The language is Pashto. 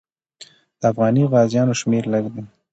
د افغاني غازیانو شمېر لږ دی.